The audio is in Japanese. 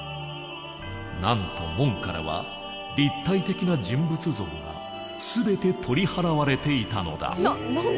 なんと門からは立体的な人物像が全て取り払われていたのだ。